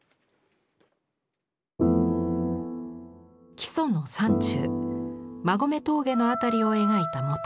木曽の山中馬籠峠の辺りを描いた元絵。